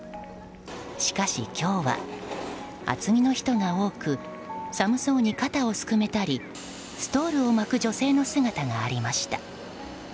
しかし今日は厚着の人が多く寒そうに肩をすくめたりストールを巻く女性の姿がありました。